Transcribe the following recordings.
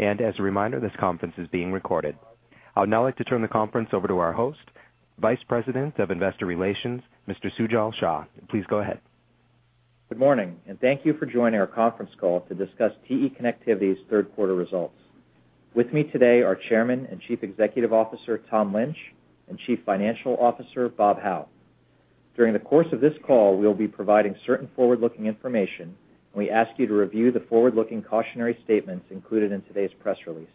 As a reminder, this conference is being recorded. I would now like to turn the conference over to our host, Vice President of Investor Relations, Mr. Sujal Shah. Please go ahead. Good morning, and thank you for joining our conference call to discuss TE Connectivity's third quarter results. With me today are Chairman and Chief Executive Officer Tom Lynch and Chief Financial Officer Bob Hau. During the course of this call, we will be providing certain forward-looking information, and we ask you to review the forward-looking cautionary statements included in today's press release.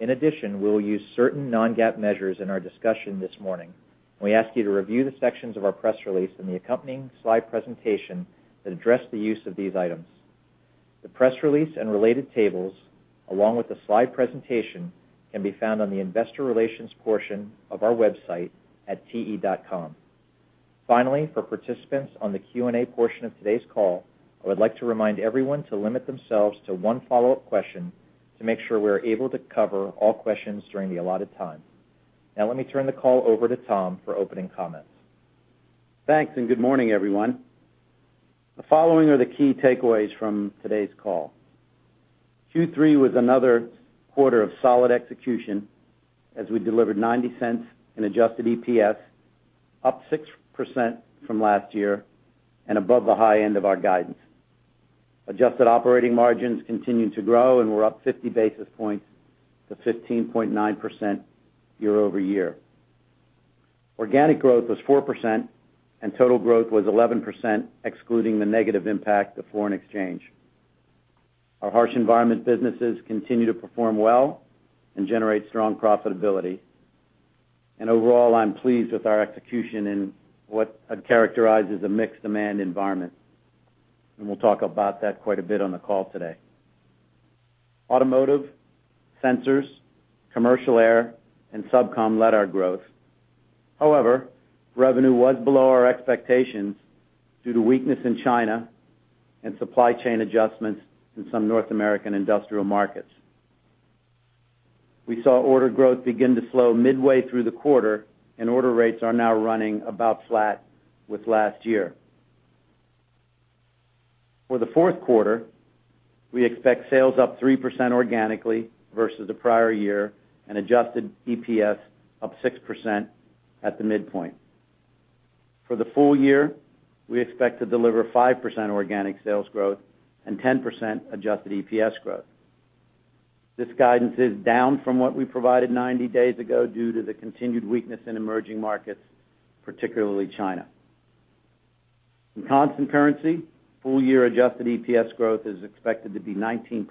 In addition, we will use certain non-GAAP measures in our discussion this morning, and we ask you to review the sections of our press release and the accompanying slide presentation that address the use of these items. The press release and related tables, along with the slide presentation, can be found on the Investor Relations portion of our website at te.com. Finally, for participants on the Q&A portion of today's call, I would like to remind everyone to limit themselves to one follow-up question to make sure we are able to cover all questions during the allotted time. Now, let me turn the call over to Tom for opening comments. Thanks, and good morning, everyone. The following are the key takeaways from today's call. Q3 was another quarter of solid execution as we delivered $0.90 in adjusted EPS, up 6% from last year and above the high end of our guidance. Adjusted operating margins continued to grow, and we're up 50 basis points to 15.9% year-over-year. Organic growth was 4%, and total growth was 11%, excluding the negative impact of foreign exchange. Our harsh environment businesses continue to perform well and generate strong profitability. And overall, I'm pleased with our execution in what I'd characterize as a mixed demand environment, and we'll talk about that quite a bit on the call today. Automotive, Sensors, Commercial Air, and SubCom led our growth. However, revenue was below our expectations due to weakness in China and supply chain adjustments in some North American industrial markets. We saw order growth begin to slow midway through the quarter, and order rates are now running about flat with last year. For the fourth quarter, we expect sales up 3% organically versus the prior year and adjusted EPS up 6% at the midpoint. For the full year, we expect to deliver 5% organic sales growth and 10% adjusted EPS growth. This guidance is down from what we provided 90 days ago due to the continued weakness in emerging markets, particularly China. In constant currency, full-year adjusted EPS growth is expected to be 19%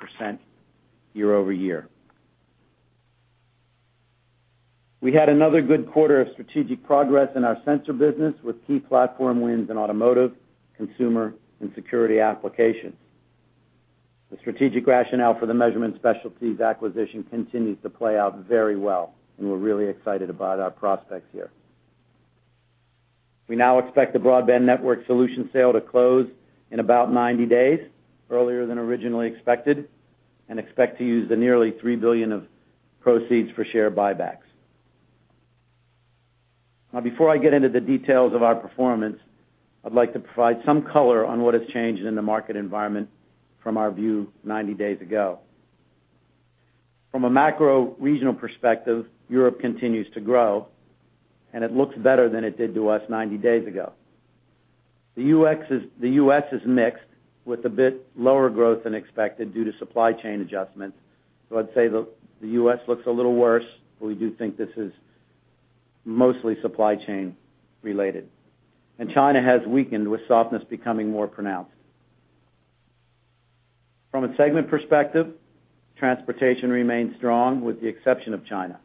year-over-year. We had another good quarter of strategic progress in our sensor business with key platform wins in automotive, consumer, and security applications. The strategic rationale for the Measurement Specialties acquisition continues to play out very well, and we're really excited about our prospects here. We now expect the Broadband Network Solutions sale to close in about 90 days, earlier than originally expected, and expect to use the nearly $3 billion of proceeds for share buybacks. Now, before I get into the details of our performance, I'd like to provide some color on what has changed in the market environment from our view 90 days ago. From a macro-regional perspective, Europe continues to grow, and it looks better than it did to us 90 days ago. The U.S. is mixed with a bit lower growth than expected due to supply chain adjustments, so I'd say the U.S. looks a little worse, but we do think this is mostly supply chain related. China has weakened with softness becoming more pronounced. From a segment perspective, Transportation remains strong with the exception of China.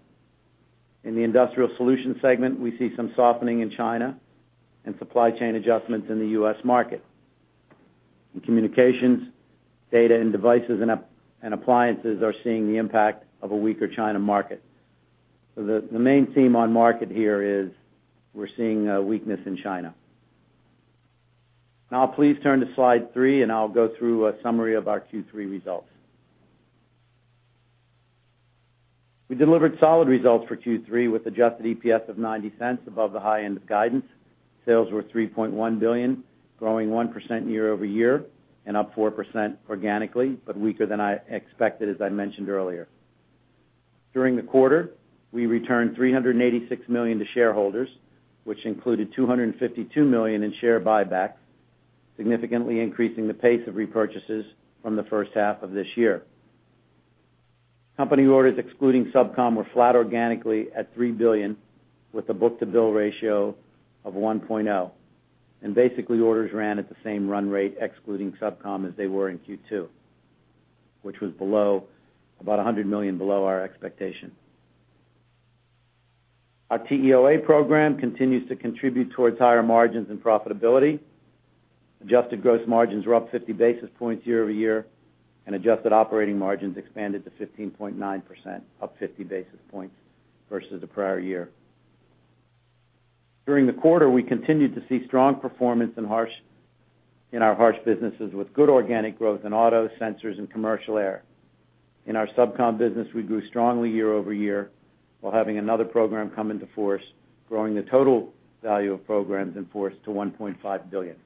In the Industrial Solutions segment, we see some softening in China and supply chain adjustments in the U.S. market. In Communications, Data and Devices and Appliances are seeing the impact of a weaker China market. So the main theme on market here is we're seeing weakness in China. Now, I'll please turn to slide three, and I'll go through a summary of our Q3 results. We delivered solid results for Q3 with adjusted EPS of $0.90 above the high end of guidance. Sales were $3.1 billion, growing 1% year-over-year and up 4% organically, but weaker than I expected, as I mentioned earlier. During the quarter, we returned $386 million to shareholders, which included $252 million in share buybacks, significantly increasing the pace of repurchases from the first half of this year. Company orders excluding SubCom were flat organically at $3 billion with a book-to-bill ratio of 1.0, and basically orders ran at the same run rate excluding SubCom as they were in Q2, which was about $100 million below our expectation. Our TEOA program continues to contribute towards higher margins and profitability. Adjusted gross margins were up 50 basis points year-over-year, and adjusted operating margins expanded to 15.9%, up 50 basis points versus the prior year. During the quarter, we continued to see strong performance in our harsh businesses with good organic growth in auto, sensors, and Commercial Air. In our SubCom business, we grew strongly year-over-year while having another program come into force, growing the total value of programs in force to $1.5 billion.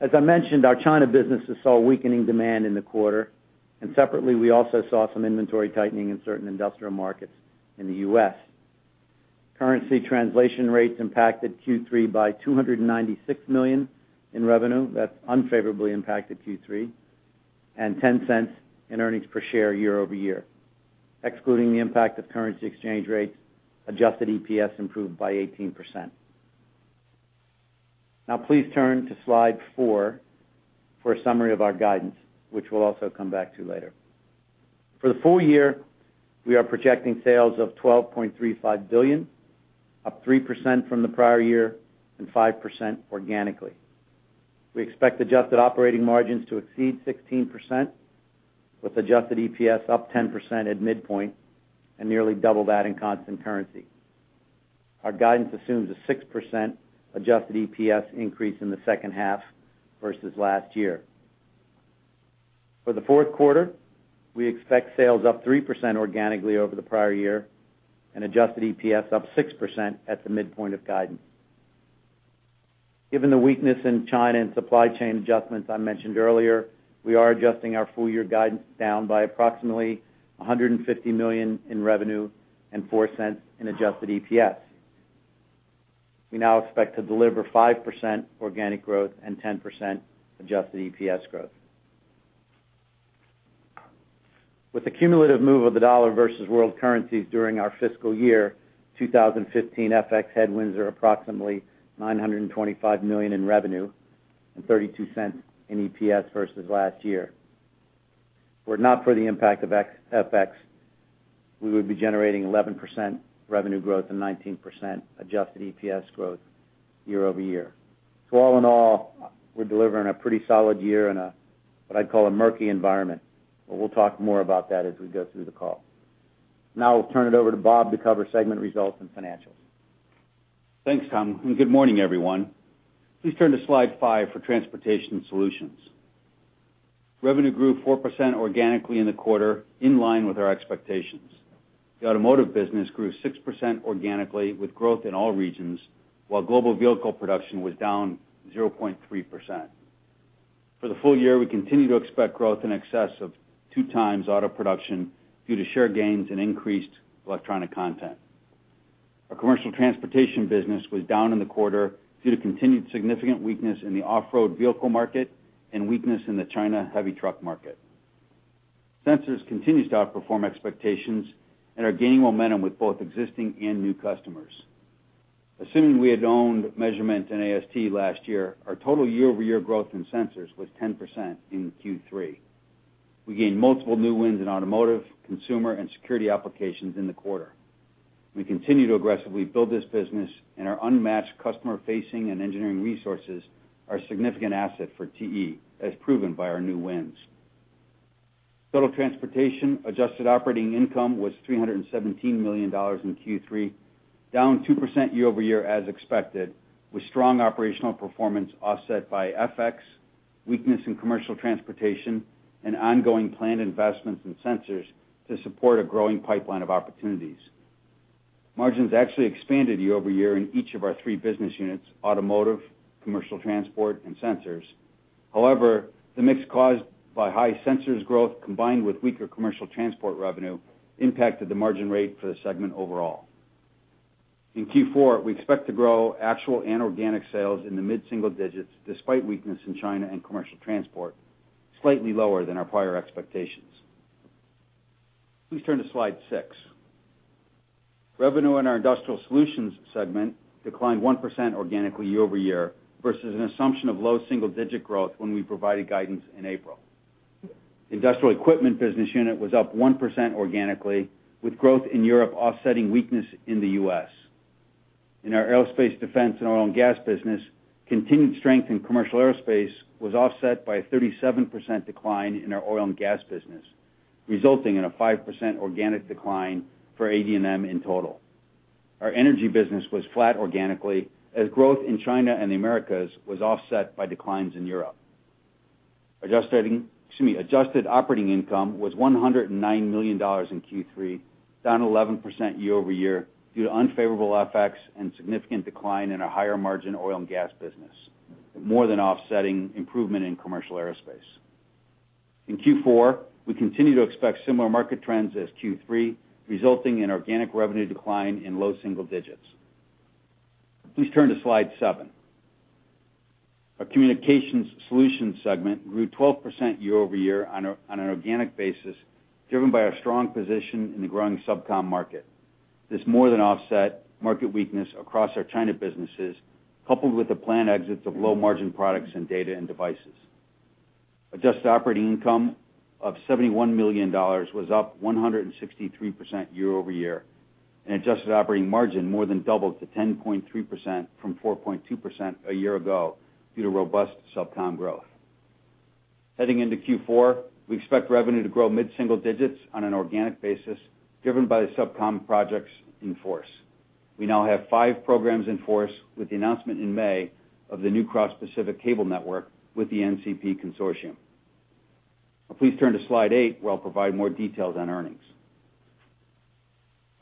As I mentioned, our China businesses saw weakening demand in the quarter, and separately, we also saw some inventory tightening in certain industrial markets in the U.S. Currency translation rates impacted Q3 by $296 million in revenue. That's unfavorably impacted Q3, and $0.10 in earnings per share year-over-year. Excluding the impact of currency exchange rates, adjusted EPS improved by 18%. Now, please turn to slide 4 for a summary of our guidance, which we'll also come back to later. For the full year, we are projecting sales of $12.35 billion, up 3% from the prior year and 5% organically. We expect adjusted operating margins to exceed 16%, with adjusted EPS up 10% at midpoint and nearly double that in constant currency. Our guidance assumes a 6% adjusted EPS increase in the second half versus last year. For the fourth quarter, we expect sales up 3% organically over the prior year and adjusted EPS up 6% at the midpoint of guidance. Given the weakness in China and supply chain adjustments I mentioned earlier, we are adjusting our full-year guidance down by approximately $150 million in revenue and $0.04 in adjusted EPS. We now expect to deliver 5% organic growth and 10% adjusted EPS growth. With the cumulative move of the dollar versus world currencies during our fiscal year, 2015 FX headwinds are approximately $925 million in revenue and $0.32 in EPS versus last year. If it were not for the impact of FX, we would be generating 11% revenue growth and 19% adjusted EPS growth year over year. All in all, we're delivering a pretty solid year in a, what I'd call, a murky environment, but we'll talk more about that as we go through the call. Now, I'll turn it over to Bob to cover segment results and financials. Thanks, Tom, and good morning, everyone. Please turn to Slide five for Transportation Solutions. Revenue grew 4% organically in the quarter, in line with our expectations. The automotive business grew 6% organically with growth in all regions, while global vehicle production was down 0.3%. For the full year, we continue to expect growth in excess of two times auto production due to share gains and increased electronic content. Our Commercial Transportation business was down in the quarter due to continued significant weakness in the off-road vehicle market and weakness in the China heavy truck market. Sensors continue to outperform expectations and are gaining momentum with both existing and new customers. Assuming we had owned Measurement and AST last year, our total year-over-year growth in sensors was 10% in Q3. We gained multiple new wins in automotive, consumer, and security applications in the quarter. We continue to aggressively build this business, and our unmatched customer-facing and engineering resources are a significant asset for TE, as proven by our new wins. Total transportation adjusted operating income was $317 million in Q3, down 2% year-over-year as expected, with strong operational performance offset by FX, weakness in Commercial Transportation, and ongoing planned investments in sensors to support a growing pipeline of opportunities. Margins actually expanded year-over-year in each of our three business units: automotive, Commercial Transport, and sensors. However, the mix caused by high sensors growth combined with weaker Commercial Transport revenue impacted the margin rate for the segment overall. In Q4, we expect to grow actual and organic sales in the mid-single digits despite weakness in China and Commercial Transport, slightly lower than our prior expectations. Please turn to slide six. Revenue in our Industrial Solutions segment declined 1% organically year-over-year versus an assumption of low single-digit growth when we provided guidance in April. The Industrial Equipment business unit was up 1% organically, with growth in Europe offsetting weakness in the US. In our aerospace, defense, and oil and gas business, continued strength in commercial aerospace was offset by a 37% decline in our oil and gas business, resulting in a 5% organic decline for AD&M in total. Our Energy business was flat organically as growth in China and the Americas was offset by declines in Europe. Adjusted operating income was $109 million in Q3, down 11% year-over-year due to unfavorable FX and significant decline in our higher-margin oil and gas business, more than offsetting improvement in commercial aerospace. In Q4, we continue to expect similar market trends as Q3, resulting in organic revenue decline in low single digits. Please turn to Slide seven. Our Communications Solutions segment grew 12% year-over-year on an organic basis, driven by our strong position in the growing SubCom market. This more than offset market weakness across our China businesses, coupled with the planned exits of low-margin products and Data and Devices. Adjusted operating income of $71 million was up 163% year-over-year, and adjusted operating margin more than doubled to 10.3% from 4.2% a year ago due to robust SubCom growth. Heading into Q4, we expect revenue to grow mid-single digits on an organic basis, driven by the SubCom projects in force. We now have five programs in force with the announcement in May of the new Cross-Pacific cable network with the NCP Consortium. Please turn to slide 8 where I'll provide more details on earnings.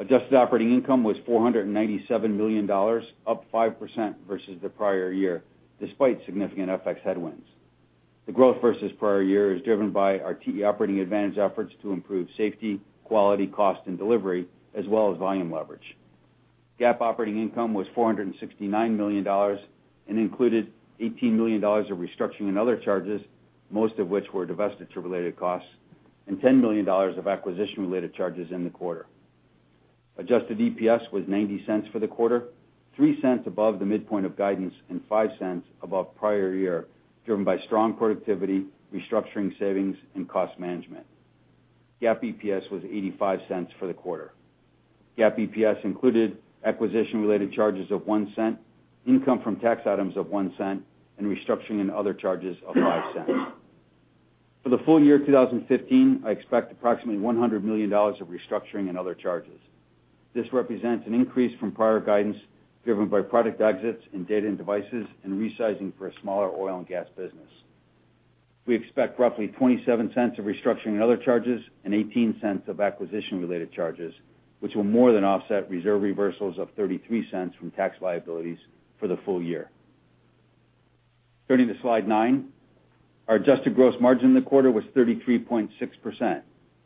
Adjusted operating income was $497 million, up 5% versus the prior year, despite significant FX headwinds. The growth versus prior year is driven by our TE Operating Advantage efforts to improve safety, quality, cost, and delivery, as well as volume leverage. GAAP operating income was $469 million and included $18 million of restructuring and other charges, most of which were divestiture-related costs, and $10 million of acquisition-related charges in the quarter. Adjusted EPS was $0.90 for the quarter, $0.03 above the midpoint of guidance and $0.05 above prior year, driven by strong productivity, restructuring savings, and cost management. GAAP EPS was $0.85 for the quarter. GAAP EPS included acquisition-related charges of $0.01, income from tax items of $0.01, and restructuring and other charges of $0.05. For the full year 2015, I expect approximately $100 million of restructuring and other charges. This represents an increase from prior guidance driven by product exits in data and devices and resizing for a smaller oil and gas business. We expect roughly $0.27 of restructuring and other charges and $0.18 of acquisition-related charges, which will more than offset reserve reversals of $0.33 from tax liabilities for the full year. Turning to slide nine, our adjusted gross margin in the quarter was 33.6%.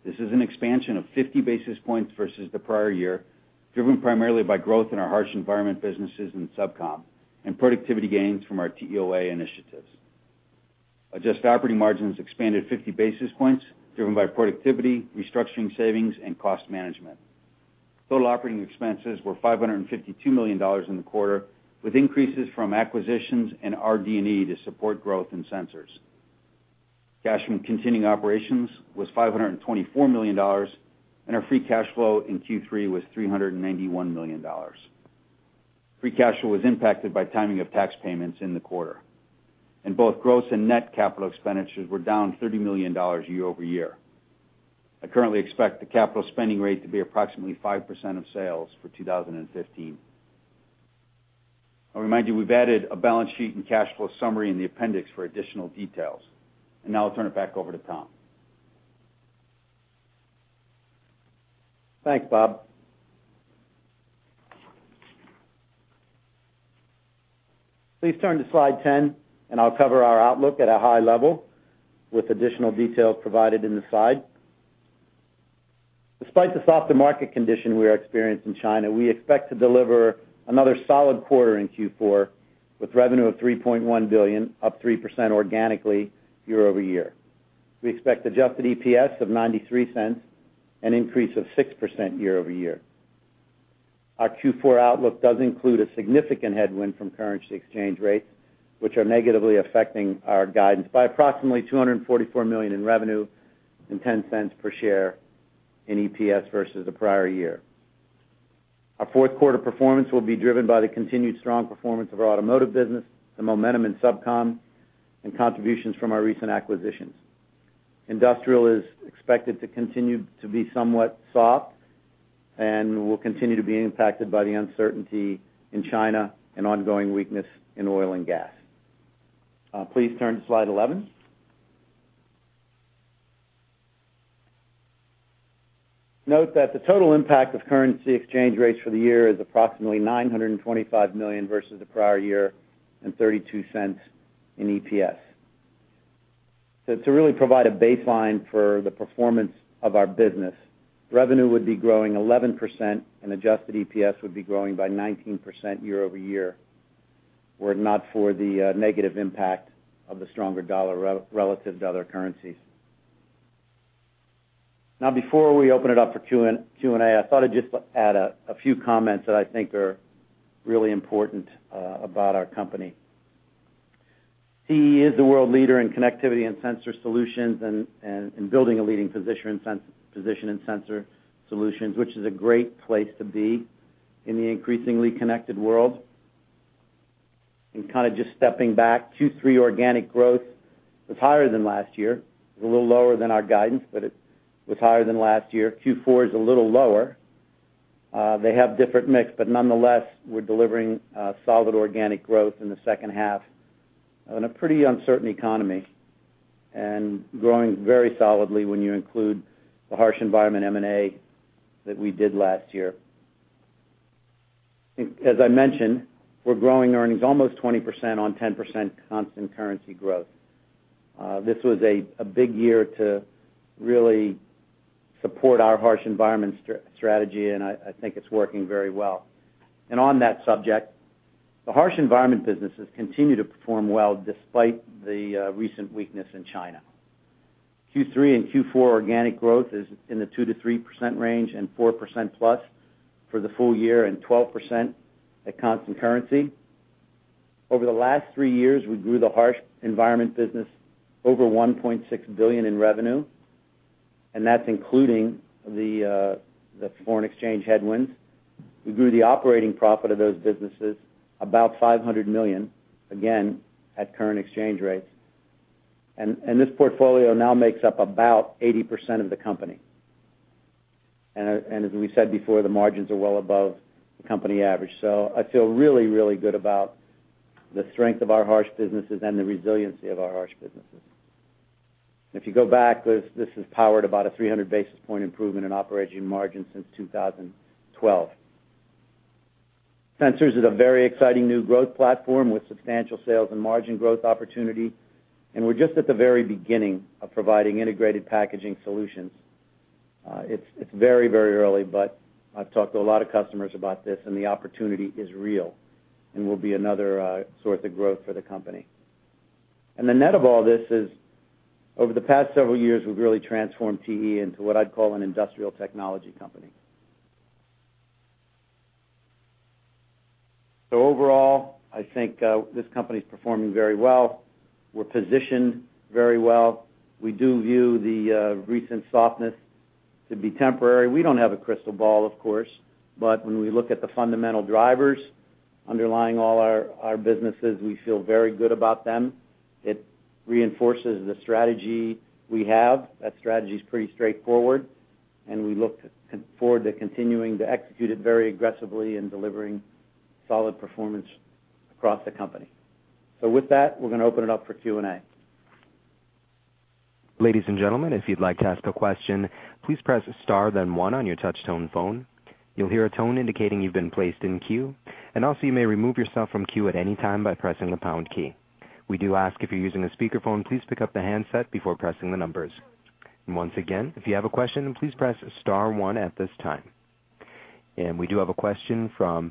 This is an expansion of 50 basis points versus the prior year, driven primarily by growth in our harsh environment businesses and SubCom, and productivity gains from our TEOA initiatives. Adjusted operating margins expanded 50 basis points, driven by productivity, restructuring savings, and cost management. Total operating expenses were $552 million in the quarter, with increases from acquisitions and R&D&E to support growth in sensors. Cash from continuing operations was $524 million, and our free cash flow in Q3 was $391 million. Free cash flow was impacted by timing of tax payments in the quarter, and both gross and net capital expenditures were down $30 million year-over-year. I currently expect the capital spending rate to be approximately 5% of sales for 2015. I'll remind you we've added a balance sheet and cash flow summary in the appendix for additional details. Now, I'll turn it back over to Tom. Thanks, Bob. Please turn to Slide 10, and I'll cover our outlook at a high level with additional details provided in the slide. Despite the softer market condition we are experiencing in China, we expect to deliver another solid quarter in Q4 with revenue of $3.1 billion, up 3% organically year-over-year. We expect adjusted EPS of $0.93 and increase of 6% year-over-year. Our Q4 outlook does include a significant headwind from currency exchange rates, which are negatively affecting our guidance by approximately $244 million in revenue and $0.10 per share in EPS versus the prior year. Our fourth quarter performance will be driven by the continued strong performance of our automotive business, the momentum in SubCom, and contributions from our recent acquisitions. Industrial is expected to continue to be somewhat soft and will continue to be impacted by the uncertainty in China and ongoing weakness in oil and gas. Please turn to slide 11. Note that the total impact of currency exchange rates for the year is approximately $925 million versus the prior year and $0.32 in EPS. So to really provide a baseline for the performance of our business, revenue would be growing 11% and adjusted EPS would be growing by 19% year-over-year, were it not for the negative impact of the stronger dollar relative to other currencies. Now, before we open it up for Q&A, I thought I'd just add a few comments that I think are really important about our company. TE is the world leader in connectivity and sensor solutions and building a leading position in sensor solutions, which is a great place to be in the increasingly connected world. Kind of just stepping back, Q3 organic growth was higher than last year. It was a little lower than our guidance, but it was higher than last year. Q4 is a little lower. They have different mix, but nonetheless, we're delivering solid organic growth in the second half in a pretty uncertain economy and growing very solidly when you include the harsh environment M&A that we did last year. As I mentioned, we're growing earnings almost 20% on 10% constant currency growth. This was a big year to really support our harsh environment strategy, and I think it's working very well. On that subject, the harsh environment businesses continue to perform well despite the recent weakness in China. Q3 and Q4 organic growth is in the 2%-3% range and 4%+ for the full year and 12% at constant currency. Over the last three years, we grew the harsh environment business over $1.6 billion in revenue, and that's including the foreign exchange headwinds. We grew the operating profit of those businesses about $500 million, again, at current exchange rates. And this portfolio now makes up about 80% of the company. And as we said before, the margins are well above the company average. So I feel really, really good about the strength of our harsh businesses and the resiliency of our harsh businesses. If you go back, this has powered about a 300 basis point improvement in operating margin since 2012. Sensors is a very exciting new growth platform with substantial sales and margin growth opportunity, and we're just at the very beginning of providing integrated packaging solutions. It's very, very early, but I've talked to a lot of customers about this, and the opportunity is real and will be another source of growth for the company. The net of all this is, over the past several years, we've really transformed TE into what I'd call an industrial technology company. Overall, I think this company is performing very well. We're positioned very well. We do view the recent softness to be temporary. We don't have a crystal ball, of course, but when we look at the fundamental drivers underlying all our businesses, we feel very good about them. It reinforces the strategy we have. That strategy is pretty straightforward, and we look forward to continuing to execute it very aggressively and delivering solid performance across the company. So with that, we're going to open it up for Q&A. Ladies and gentlemen, if you'd like to ask a question, please press star then one on your touch-tone phone. You'll hear a tone indicating you've been placed in queue, and also you may remove yourself from queue at any time by pressing the pound key. We do ask if you're using a speakerphone, please pick up the handset before pressing the numbers. And once again, if you have a question, please press star one at this time. And we do have a question from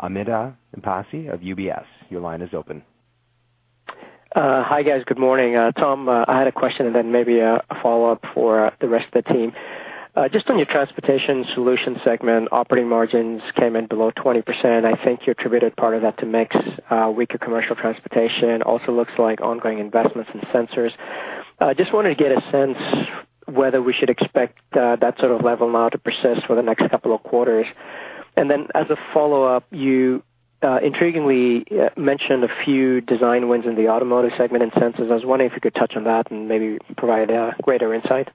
Amitabh Passi of UBS. Your line is open. Hi guys, good morning. Tom, I had a question and then maybe a follow-up for the rest of the team. Just on your transportation solution segment, operating margins came in below 20%. I think you attributed part of that to mix weaker Commercial Transportation. Also looks like ongoing investments in sensors. Just wanted to get a sense whether we should expect that sort of level now to persist for the next couple of quarters? Then as a follow-up, you intriguingly mentioned a few design wins in the automotive segment in sensors. I was wondering if you could touch on that and maybe provide a greater insight.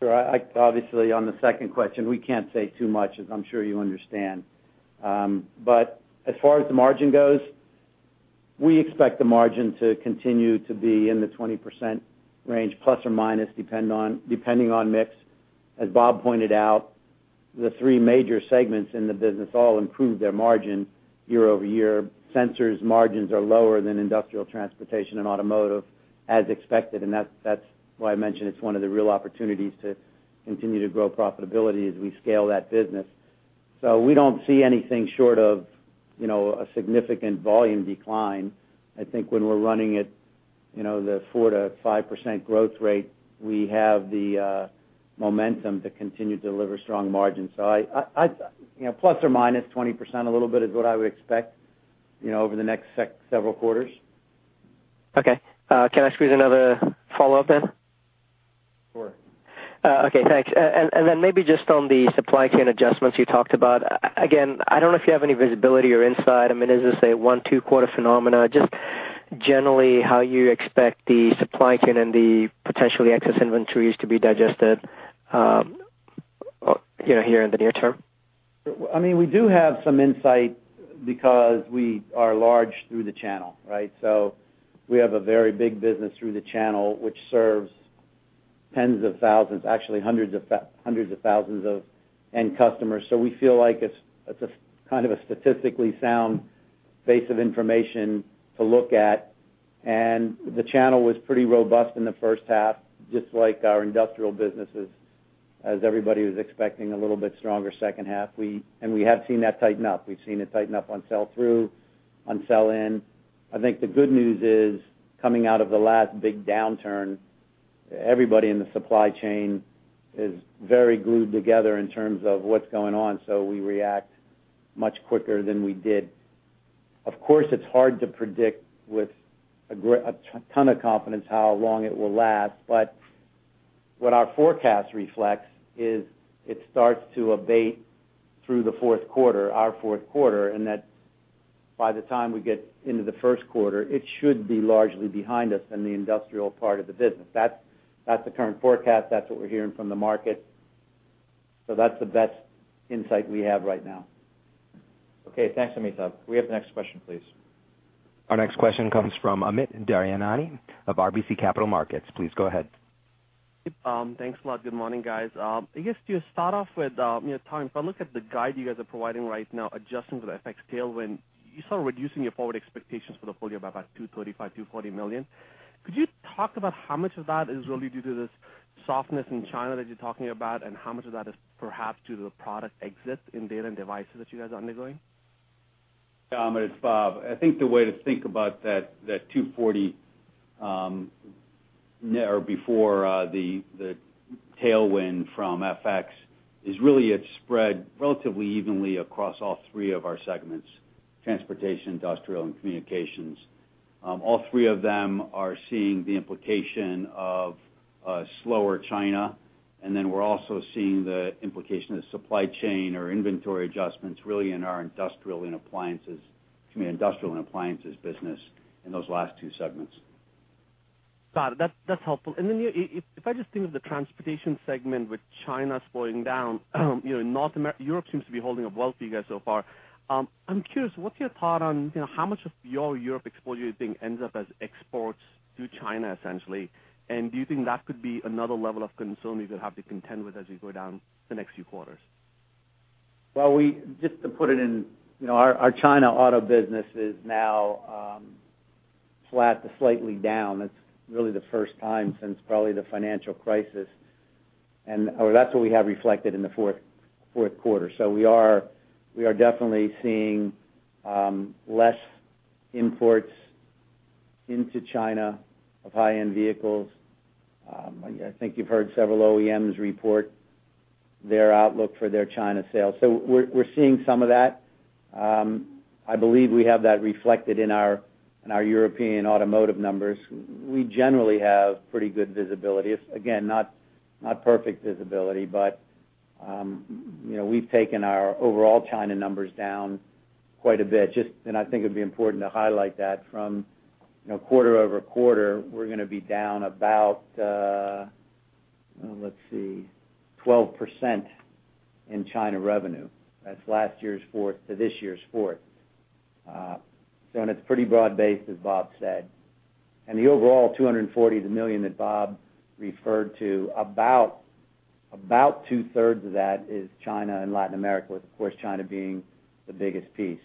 Sure. Obviously, on the second question, we can't say too much, as I'm sure you understand. But as far as the margin goes, we expect the margin to continue to be in the 20% range, ±, depending on mix. As Bob pointed out, the three major segments in the business all improve their margin year-over-year. Sensors margins are lower than industrial transportation and automotive, as expected. And that's why I mentioned it's one of the real opportunities to continue to grow profitability as we scale that business. So we don't see anything short of a significant volume decline. I think when we're running at the 4%-5% growth rate, we have the momentum to continue to deliver strong margins. So ±20% a little bit is what I would expect over the next several quarters. Okay. Can I squeeze in another follow-up then? Sure. Okay. Thanks. And then maybe just on the supply chain adjustments you talked about. Again, I don't know if you have any visibility or insight. I mean, is this a 1, 2-quarter phenomenon? Just generally, how you expect the supply chain and the potentially excess inventories to be digested here in the near term? I mean, we do have some insight because we are large through the channel, right? So we have a very big business through the channel, which serves tens of thousands, actually hundreds of thousands of end customers. So we feel like it's kind of a statistically sound base of information to look at. And the channel was pretty robust in the first half, just like our industrial businesses, as everybody was expecting a little bit stronger second half. And we have seen that tighten up. We've seen it tighten up on sell-through, on sell-in. I think the good news is coming out of the last big downturn, everybody in the supply chain is very glued together in terms of what's going on, so we react much quicker than we did. Of course, it's hard to predict with a ton of confidence how long it will last, but what our forecast reflects is it starts to abate through the fourth quarter, our fourth quarter, and that by the time we get into the first quarter, it should be largely behind us in the industrial part of the business. That's the current forecast. That's what we're hearing from the market. So that's the best insight we have right now. Okay. Thanks, Amitabh. We have the next question, please. Our next question comes from Amit Daryanani of RBC Capital Markets. Please go ahead. Thanks a lot. Good morning, guys. I guess to start off with, Tom, if I look at the guide you guys are providing right now, adjusting for the FX tailwind, you saw reducing your forward expectations for the full year by about $235 to $240 million. Could you talk about how much of that is really due to this softness in China that you're talking about, and how much of that is perhaps due to the product exit in data and devices that you guys are undergoing? Yeah, Amit. I think the way to think about that $240 before the tailwind from FX is really it's spread relatively evenly across all three of our segments: transportation, industrial, and communications. All three of them are seeing the implication of a slower China, and then we're also seeing the implication of supply chain or inventory adjustments really in our industrial and appliances business in those last two segments. Got it. That's helpful. And then if I just think of the transportation segment with China slowing down, Europe seems to be holding up well for you guys so far. I'm curious, what's your thought on how much of your Europe exposure you think ends up as exports to China, essentially? And do you think that could be another level of concern we could have to contend with as we go down the next few quarters? Well, just to put it in, our China auto business is now flat to slightly down. It's really the first time since probably the financial crisis, and that's what we have reflected in the fourth quarter. So we are definitely seeing less imports into China of high-end vehicles. I think you've heard several OEMs report their outlook for their China sales. So we're seeing some of that. I believe we have that reflected in our European automotive numbers. We generally have pretty good visibility. Again, not perfect visibility, but we've taken our overall China numbers down quite a bit. And I think it'd be important to highlight that from quarter-over-quarter, we're going to be down about, let's see, 12% in China revenue. That's last year's fourth to this year's fourth. And it's pretty broad-based, as Bob said. And the overall $240 million that Bob referred to, about two-thirds of that is China and Latin America, with, of course, China being the biggest piece.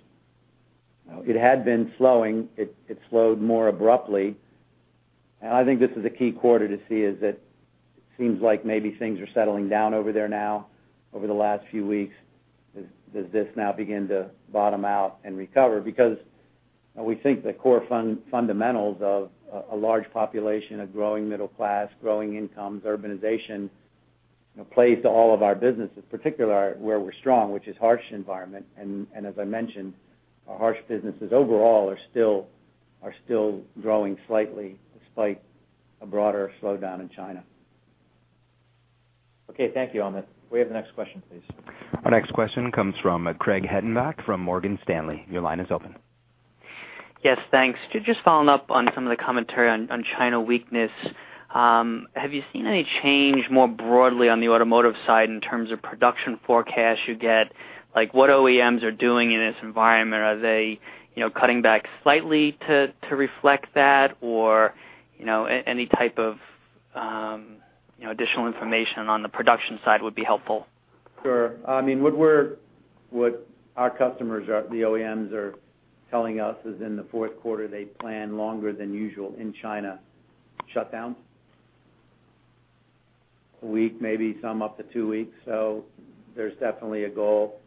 It had been slowing. It slowed more abruptly. And I think this is a key quarter to see is that it seems like maybe things are settling down over there now over the last few weeks. Does this now begin to bottom out and recover? Because we think the core fundamentals of a large population, a growing middle class, growing incomes, urbanization plays to all of our businesses, particularly where we're strong, which is harsh environment. And as I mentioned, our harsh businesses overall are still growing slightly despite a broader slowdown in China. Okay. Thank you, Amit. We have the next question, please. Our next question comes from Craig Hettenbach from Morgan Stanley. Your line is open. Yes, thanks. Just following up on some of the commentary on China weakness, have you seen any change more broadly on the automotive side in terms of production forecasts you get? What OEMs are doing in this environment? Are they cutting back slightly to reflect that, or any type of additional information on the production side would be helpful? Sure. I mean, what our customers, the OEMs, are telling us is in the fourth quarter, they plan longer than usual shutdowns in China. A week, maybe some up to two weeks. So there's definitely a goal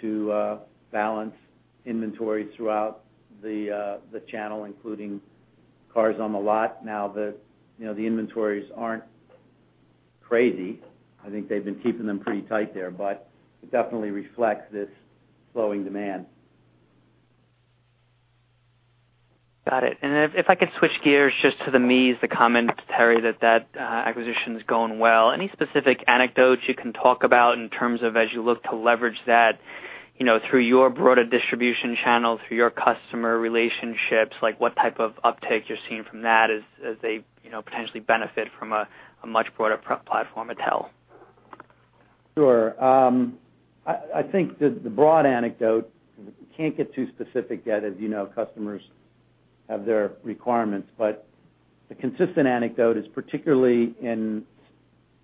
to balance inventories throughout the channel, including cars on the lot. Now, the inventories aren't crazy. I think they've been keeping them pretty tight there, but it definitely reflects this slowing demand. Got it. And if I could switch gears just to the MEAS, the commentary that that acquisition is going well. Any specific anecdotes you can talk about in terms of as you look to leverage that through your broader distribution channels, through your customer relationships? What type of uptake you're seeing from that as they potentially benefit from a much broader platform, a detail? Sure. I think the broad anecdote, we can't get too specific yet, as you know. Customers have their requirements. But the consistent anecdote is particularly in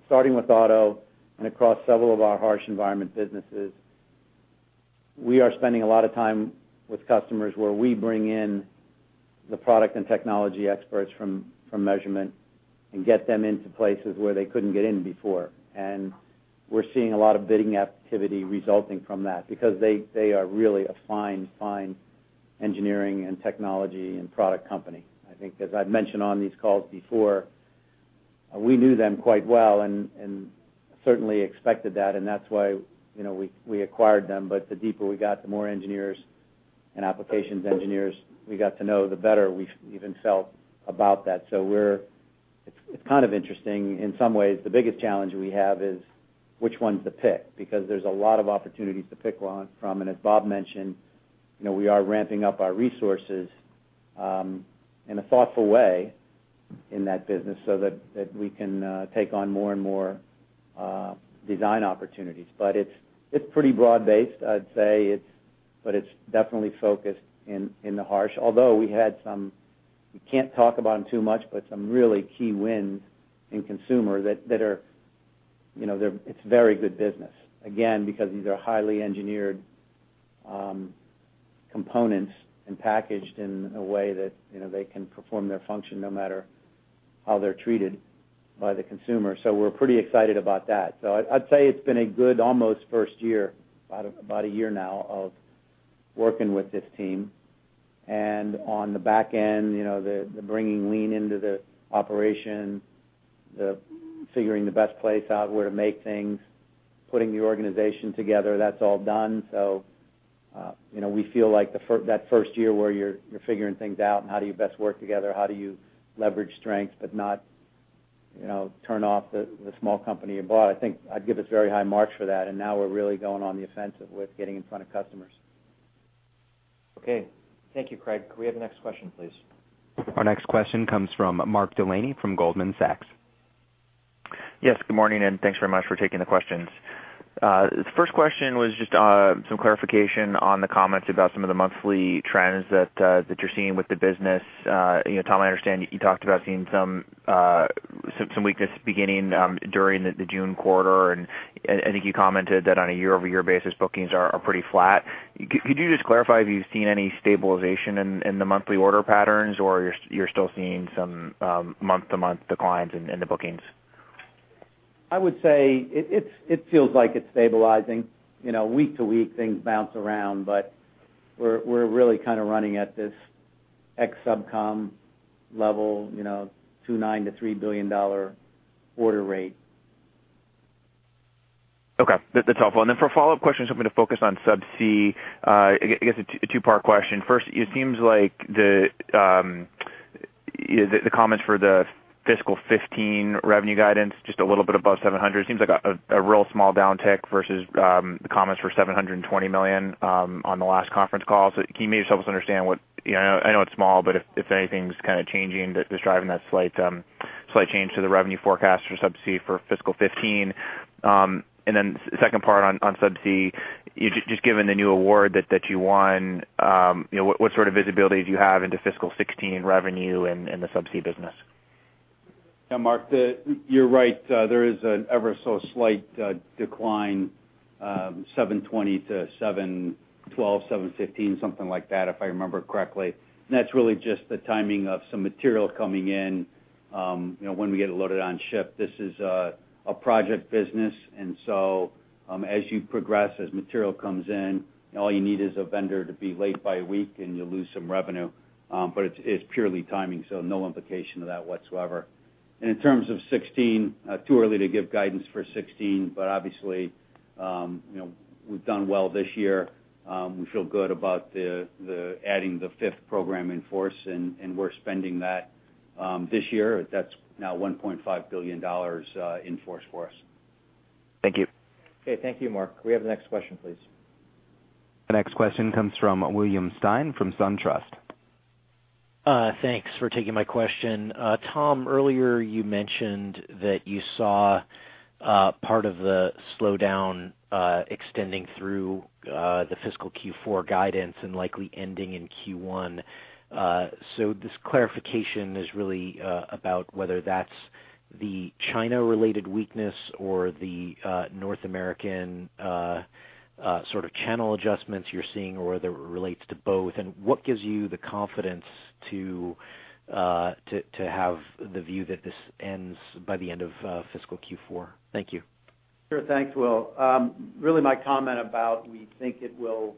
starting with auto and across several of our harsh environment businesses. We are spending a lot of time with customers where we bring in the product and technology experts from measurement and get them into places where they couldn't get in before. And we're seeing a lot of bidding activity resulting from that because they are really a fine, fine engineering and technology and product company. I think, as I've mentioned on these calls before, we knew them quite well and certainly expected that, and that's why we acquired them. But the deeper we got, the more engineers and applications engineers we got to know, the better we even felt about that. So it's kind of interesting. In some ways, the biggest challenge we have is which ones to pick because there's a lot of opportunities to pick from. As Bob mentioned, we are ramping up our resources in a thoughtful way in that business so that we can take on more and more design opportunities. It's pretty broad-based, I'd say, but it's definitely focused in the harsh. Although we had some—we can't talk about them too much—but some really key wins in consumer that it's very good business. Again, because these are highly engineered components and packaged in a way that they can perform their function no matter how they're treated by the consumer. We're pretty excited about that. I'd say it's been a good almost first year, about a year now, of working with this team. On the back end, the bringing lean into the operation, figuring the best place out where to make things, putting the organization together, that's all done. So we feel like that first year where you're figuring things out and how do you best work together, how do you leverage strengths but not turn off the small company you bought, I think I'd give us very high marks for that. And now we're really going on the offensive with getting in front of customers. Okay. Thank you, Craig. Could we have the next question, please? Our next question comes from Mark Delaney from Goldman Sachs. Yes, good morning, and thanks very much for taking the questions. The first question was just some clarification on the comments about some of the monthly trends that you're seeing with the business. Tom, I understand you talked about seeing some weakness beginning during the June quarter, and I think you commented that on a year-over-year basis, bookings are pretty flat. Could you just clarify if you've seen any stabilization in the monthly order patterns, or you're still seeing some month-to-month declines in the bookings? I would say it feels like it's stabilizing. Week to week, things bounce around, but we're really kind of running at this ex-SubCom level, $2.9 billion-$3 billion order rate. Okay. That's helpful. And then for follow-up questions, I'm going to focus on SubCom. I guess a two-part question. First, it seems like the comments for the fiscal 2015 revenue guidance, just a little bit above $700 million, seems like a real small downtick versus the comments for $720 million on the last conference call. So can you maybe help us understand what—I know it's small, but if anything's kind of changing that's driving that slight change to the revenue forecast for SubCom for fiscal 2015? And then the second part on SubCom, just given the new award that you won, what sort of visibility do you have into fiscal 2016 revenue and the SubCom business? Yeah, Mark, you're right. There is an ever so slight decline, 720 to 712, 715, something like that, if I remember correctly. That's really just the timing of some material coming in when we get it loaded on ship. This is a project business, and so as you progress, as material comes in, all you need is a vendor to be late by a week, and you lose some revenue. But it's purely timing, so no implication of that whatsoever. In terms of 2016, too early to give guidance for 2016, but obviously, we've done well this year. We feel good about adding the fifth program in force, and we're spending that this year. That's now $1.5 billion in force for us. Thank you. Okay. Thank you, Mark. We have the next question, please. The next question comes from William Stein from SunTrust. Thanks for taking my question. Tom, earlier you mentioned that you saw part of the slowdown extending through the fiscal Q4 guidance and likely ending in Q1. So this clarification is really about whether that's the China-related weakness or the North American sort of channel adjustments you're seeing, or whether it relates to both. What gives you the confidence to have the view that this ends by the end of fiscal Q4? Thank you. Sure. Thanks, Will. Really, my comment about we think it will,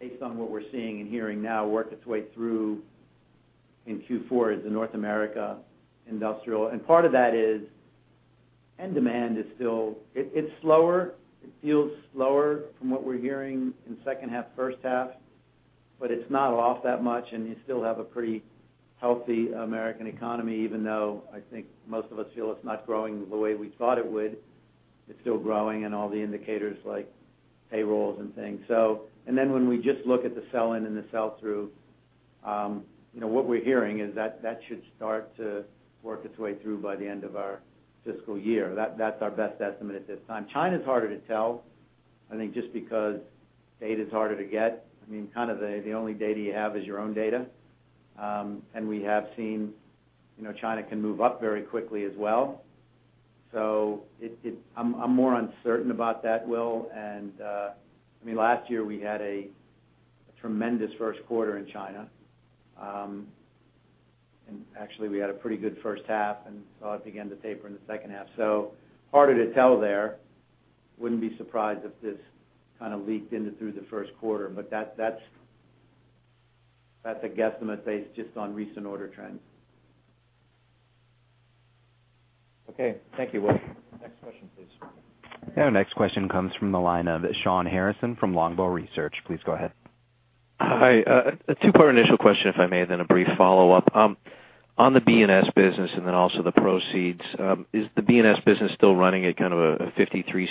based on what we're seeing and hearing now, work its way through in Q4 is the North America industrial. And part of that is, and demand is still, it's slower. It feels slower from what we're hearing in second half, first half, but it's not off that much, and you still have a pretty healthy American economy, even though I think most of us feel it's not growing the way we thought it would. It's still growing and all the indicators like payrolls and things. And then when we just look at the sell-in and the sell-through, what we're hearing is that that should start to work its way through by the end of our fiscal year. That's our best estimate at this time. China's harder to tell, I think, just because data's harder to get. I mean, kind of the only data you have is your own data. We have seen China can move up very quickly as well. So I'm more uncertain about that, Will. I mean, last year we had a tremendous first quarter in China. Actually, we had a pretty good first half, and saw it begin to taper in the second half. Harder to tell there. Wouldn't be surprised if this kind of leaked into through the first quarter, but that's a guesstimate based just on recent order trends. Okay. Thank you, Will. Next question, please. Yeah. Next question comes from the line of Shawn Harrison from Longbow Research. Please go ahead. Hi. A two-part initial question, if I may, then a brief follow-up. On the B&S business and then also the proceeds, is the B&S business still running at kind of a $0.53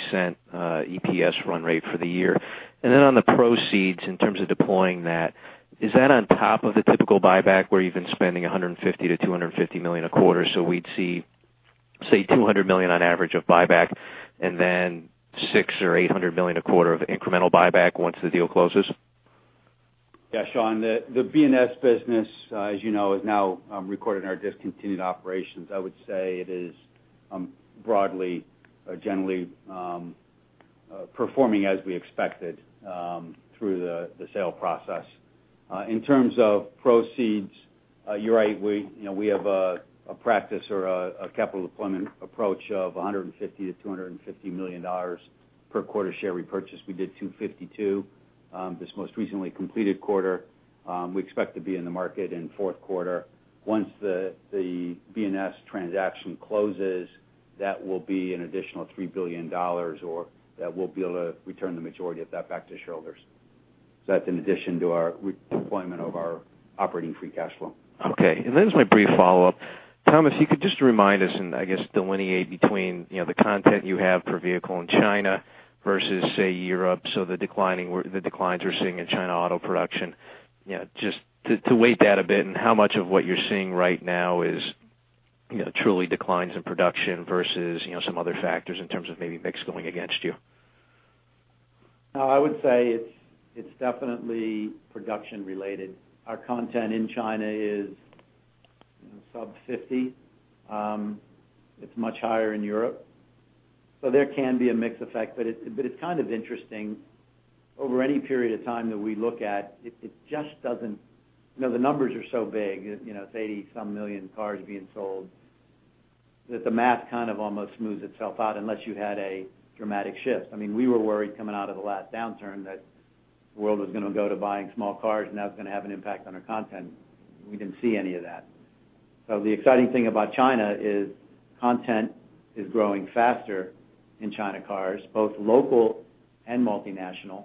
EPS run rate for the year? And then on the proceeds, in terms of deploying that, is that on top of the typical buyback where you've been spending $150 million-$250 million a quarter? So we'd see, say, $200 million on average of buyback, and then $600 million or $800 million a quarter of incremental buyback once the deal closes? Yeah, Sean, the B&S business, as you know, is now recording our discontinued operations. I would say it is broadly, generally performing as we expected through the sale process. In terms of proceeds, you're right. We have a practice or a capital deployment approach of $150 million-$250 million per quarter share repurchase. We did $252 million this most recently completed quarter. We expect to be in the market in fourth quarter. Once the B&S transaction closes, that will be an additional $3 billion, or that we'll be able to return the majority of that back to shareholders. So that's in addition to our deployment of our operating free cash flow. Okay. And then just my brief follow-up. Tom, if you could just remind us and I guess delineate between the content you have per vehicle in China versus, say, Europe. So the declines we're seeing in China auto production, just to weigh that a bit. And how much of what you're seeing right now is truly declines in production versus some other factors in terms of maybe mix going against you? No, I would say it's definitely production-related. Our content in China is sub 50. It's much higher in Europe. So there can be a mixed effect, but it's kind of interesting. Over any period of time that we look at, it just doesn't. The numbers are so big. It's 80-some million cars being sold that the math kind of almost smooths itself out unless you had a dramatic shift. I mean, we were worried coming out of the last downturn that the world was going to go to buying small cars, and that was going to have an impact on our content. We didn't see any of that. So the exciting thing about China is content is growing faster in China cars, both local and multinational.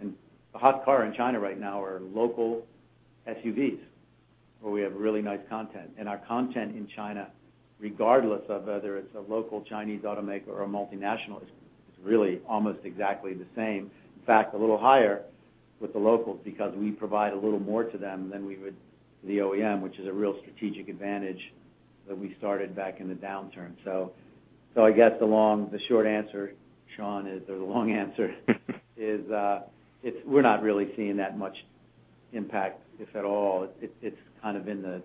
And the hot car in China right now are local SUVs, where we have really nice content. Our content in China, regardless of whether it's a local Chinese automaker or a multinational, is really almost exactly the same. In fact, a little higher with the locals because we provide a little more to them than we would to the OEM, which is a real strategic advantage that we started back in the downturn. So I guess the short answer, Sean, is there's a long answer, is we're not really seeing that much impact, if at all. It's kind of in the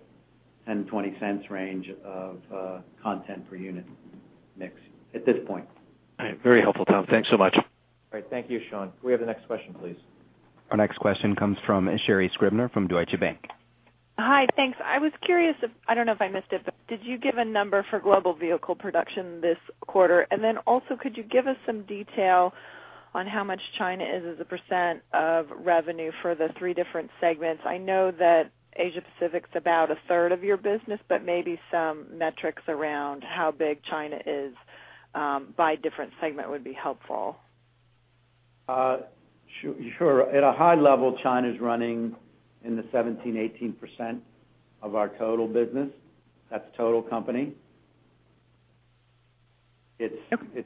$0.10-$0.20 range of content per unit mix at this point. All right. Very helpful, Tom. Thanks so much. All right. Thank you, Shawn. Could we have the next question, please? Our next question comes from Sherri Scribner from Deutsche Bank. Hi. Thanks. I was curious if, I don't know if I missed it, but did you give a number for global vehicle production this quarter? And then also, could you give us some detail on how much China is as a percent of revenue for the three different segments? I know that Asia-Pacific's about a third of your business, but maybe some metrics around how big China is by different segment would be helpful. Sure. At a high level, China's running in the 17%-18% of our total business. That's total company. It's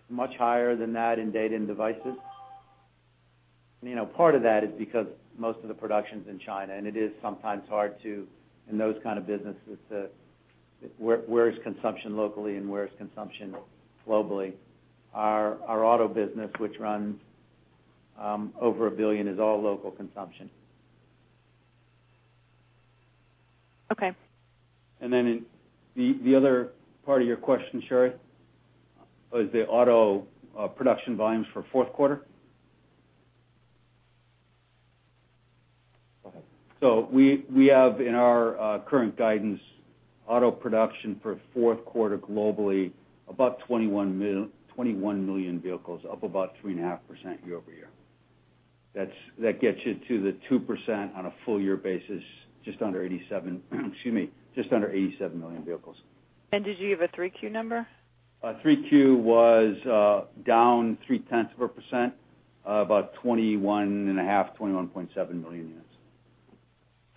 much higher than that in data and devices. Part of that is because most of the production's in China, and it is sometimes hard to, in those kind of businesses, where's consumption locally and where's consumption globally. Our auto business, which runs over $1 billion, is all local consumption. Okay. Then the other part of your question, Sherri, is the auto production volumes for fourth quarter. So we have, in our current guidance, auto production for fourth quarter globally, about 21 million vehicles, up about 3.5% year-over-year. That gets you to the 2% on a full-year basis, just under 87 million vehicles, excuse me, just under 87 million vehicles. Did you give a 3Q number? 3Q was down 0.3%, about 21.5-21.7 million units.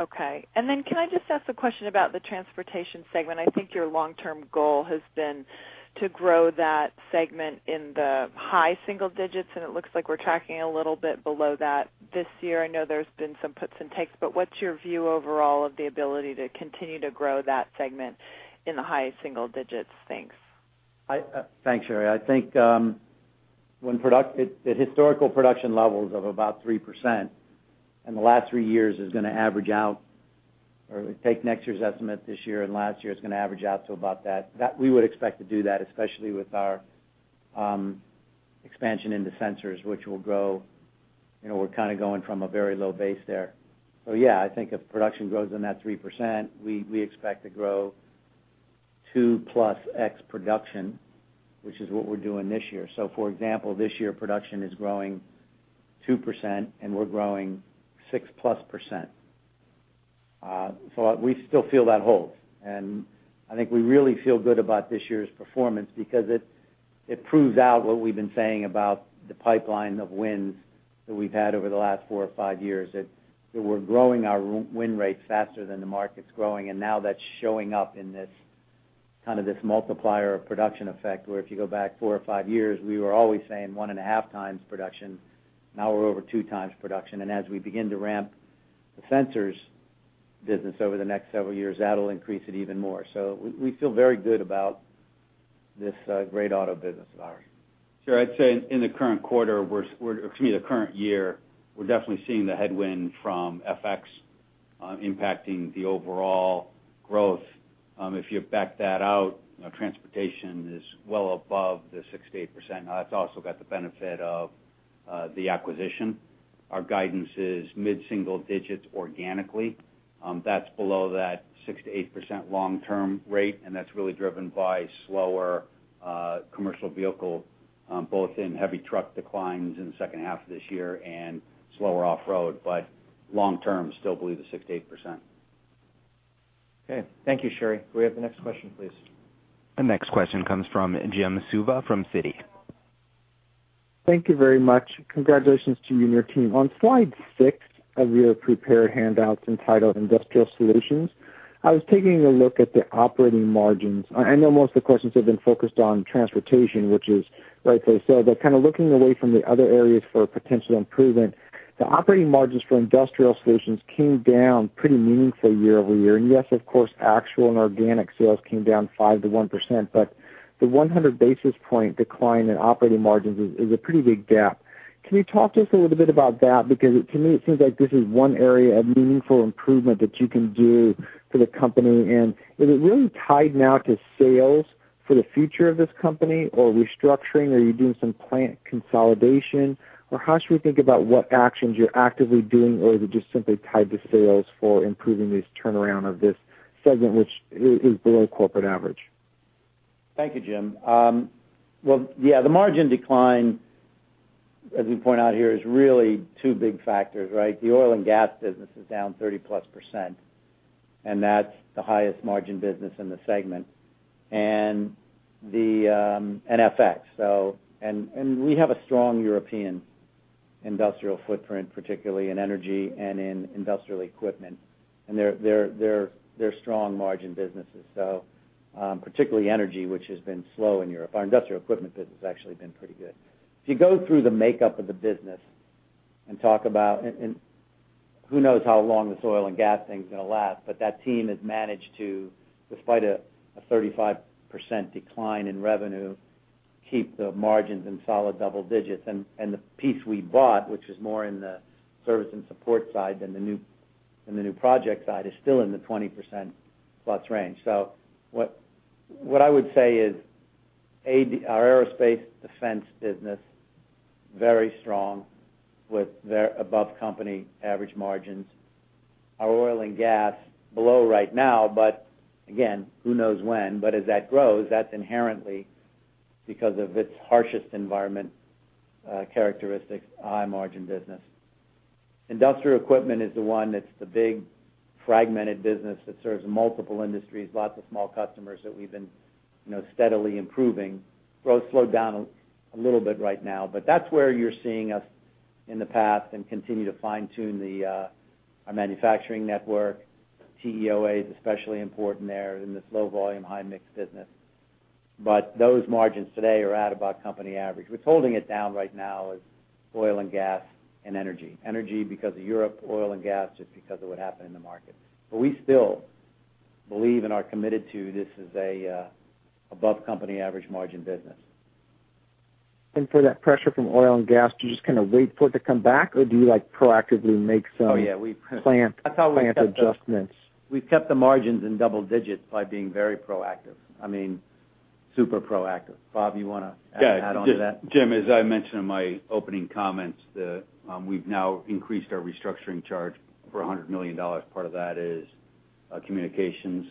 Okay. And then can I just ask a question about the transportation segment? I think your long-term goal has been to grow that segment in the high single digits, and it looks like we're tracking a little bit below that this year. I know there's been some puts and takes, but what's your view overall of the ability to continue to grow that segment in the high single digits? Thanks. Thanks, Sherri. I think historical production levels of about 3% in the last three years is going to average out, or take next year's estimate this year and last year, it's going to average out to about that. We would expect to do that, especially with our expansion into sensors, which will grow, we're kind of going from a very low base there. So yeah, I think if production grows in that 3%, we expect to grow 2x production, which is what we're doing this year. So for example, this year production is growing 2%, and we're growing 6%+. So we still feel that hold. I think we really feel good about this year's performance because it proves out what we've been saying about the pipeline of wins that we've had over the last four or five years, that we're growing our win rate faster than the market's growing, and now that's showing up in this kind of multiplier of production effect where if you go back four or five years, we were always saying 1.5 times production. Now we're over 2 times production. As we begin to ramp the sensors business over the next several years, that'll increase it even more. We feel very good about this great auto business of ours. Sure. I'd say in the current quarter, excuse me, the current year, we're definitely seeing the headwind from FX impacting the overall growth. If you back that out, transportation is well above the 6%-8%. Now that's also got the benefit of the acquisition. Our guidance is mid-single digits organically. That's below that 6%-8% long-term rate, and that's really driven by slower commercial vehicle, both in heavy truck declines in the second half of this year and slower off-road. But long-term, still believe the 6%-8%. Okay. Thank you, Sherri. Could we have the next question, please? The next question comes from Jim Suva from Citi. Thank you very much. Congratulations to you and your team. On slide six of your prepared handouts entitled Industrial Solutions, I was taking a look at the operating margins. I know most of the questions have been focused on transportation, which is rightfully so, but kind of looking away from the other areas for potential improvement, the operating margins for Industrial Solutions came down pretty meaningfully year-over-year. Yes, of course, actual and organic sales came down 5%-1%, but the 100 basis point decline in operating margins is a pretty big gap. Can you talk to us a little bit about that? Because to me, it seems like this is one area of meaningful improvement that you can do for the company. Is it really tied now to sales for the future of this company, or restructuring, or are you doing some plant consolidation, or how should we think about what actions you're actively doing, or is it just simply tied to sales for improving this turnaround of this segment, which is below corporate average? Thank you, Jim. Well, yeah, the margin decline, as we point out here, is really two big factors, right? The oil and gas business is down 30%+, and that's the highest margin business in the segment, and the NFX. We have a strong European industrial footprint, particularly in Energy and in Industrial Equipment. They're strong margin businesses. So particularly Energy, which has been slow in Europe. Our Industrial Equipment business has actually been pretty good. If you go through the makeup of the business and talk about, and who knows how long this oil and gas thing's going to last, but that team has managed to, despite a 35% decline in revenue, keep the margins in solid double digits. The piece we bought, which is more in the service and support side than the new project side, is still in the 20%+ range. So what I would say is our aerospace defense business is very strong with above-company average margins. Our oil and gas is below right now, but again, who knows when. But as that grows, that's inherently, because of its harshest environment characteristics, a high-margin business. Industrial Equipment is the one that's the big fragmented business that serves multiple industries, lots of small customers that we've been steadily improving. Growth slowed down a little bit right now, but that's where you're seeing us in the past and continue to fine-tune our manufacturing network. TEOA is especially important there in the slow-volume, high-mix business. But those margins today are at about company average. What's holding it down right now is oil and gas and energy. Energy because of Europe, oil and gas just because of what happened in the market. But we still believe and are committed to this as an above-company average margin business. For that pressure from oil and gas, do you just kind of wait for it to come back, or do you proactively make some plant adjustments? Oh, yeah. That's how we kept the margins in double digits by being very proactive. I mean, super proactive. Bob, you want to add on to that? Yeah. Jim, as I mentioned in my opening comments, we've now increased our restructuring charge for $100 million. Part of that is communications